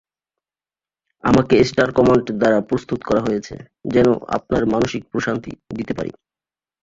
আমাকে star command দ্বারা প্রস্তুত করা হয়েছে, যেনো আপনার মানসিক প্রশান্তি দিতে পারি।